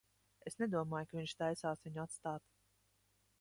Es nedomāju, ka viņš taisās viņu atstāt.